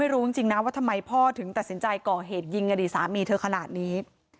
อะไรอ่ะจะหึงแบบนี้